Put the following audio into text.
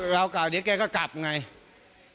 ก็เลยไม่รู้ว่าวันเกิดเหตุคือมีอาการมืนเมาอะไรบ้างหรือเปล่า